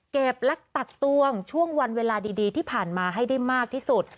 ลักตักตวงช่วงวันเวลาดีที่ผ่านมาให้ได้มากที่สุด